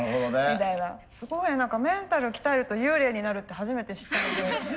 すごいメンタル鍛えると幽霊になるって初めて知ったので。